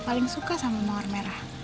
paling suka sama mawar merah